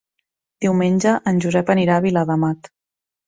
Diumenge en Josep anirà a Viladamat.